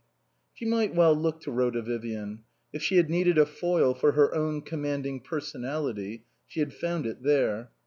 She might well look to Rhoda Vivian. If she had needed a foil for her own commanding per sonality, she had found it there.